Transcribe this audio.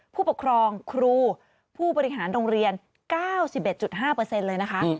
ผู้ปกครองครูผู้บริหารโรงเรียน๙๑๕เลยนะคะ